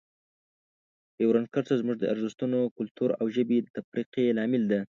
ډیورنډ کرښه زموږ د ارزښتونو، کلتور او ژبې د تفرقې لامل ده.